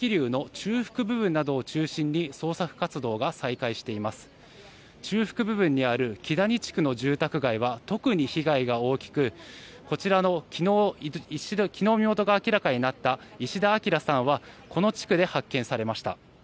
中腹部分にある岸谷地区の住宅街は特に被害が大きく昨日身元が明らかになった石田明さんはこの地区で発見されました。